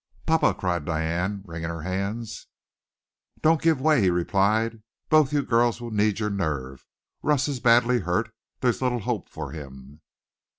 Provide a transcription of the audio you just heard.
"Papa!" cried Diane, wringing her hands. "Don't give way," he replied. "Both you girls will need your nerve. Russ is badly hurt. There's little hope for him."